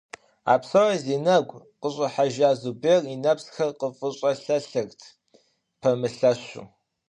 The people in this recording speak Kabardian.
А псори зи нэгу къыщIыхьэжа Зубер и нэпсхэр къыфIыщIэлъэлъырт, пэмылъэщу.